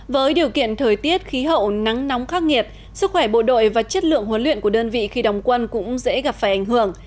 với điều kiện thời tiết khí hậu nắng nóng khắc nghiệt sức khỏe bộ đội và chất lượng huấn luyện của đơn vị khi đồng quân cũng dễ gặp phải ảnh hưởng